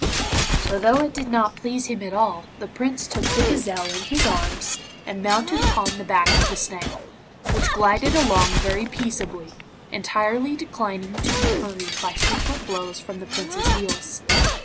So, though it did not please him at all, the Prince took the gazelle in his arms, and mounted upon the back of the snail, which glided along very peaceably, entirely declining to be hurried by frequent blows from the Prince's heels.